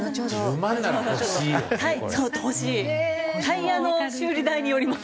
タイヤの修理代によりますけど。